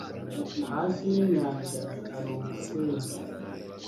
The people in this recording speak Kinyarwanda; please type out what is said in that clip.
Hasi yinyanja hari umusenyi.